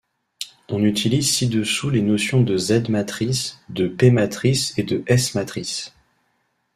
On utilise ci-dessous les notions de Z-matrice, de P-matrice et de S-matrice.